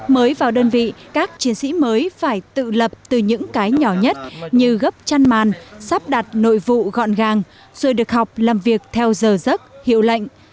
mới vào đơn vị các chiến sĩ mới phải tự lập từ những cái nhỏ nhất như gấp chăn màn sắp đặt nội vụ gọn gàng rồi được học làm việc theo giờ giấc hiệu lệnh